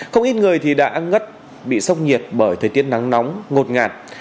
không ít người đã ngất bị sốc nhiệt bởi thời tiết nắng nóng ngột ngạt